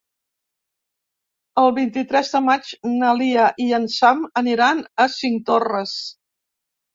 El vint-i-tres de maig na Lia i en Sam aniran a Cinctorres.